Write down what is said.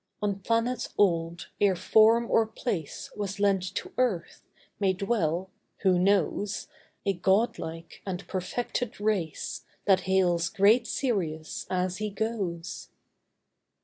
On planets old ere form or place Was lent to earth, may dwell—who knows— A God like and perfected race That hails great Sirius as he goes.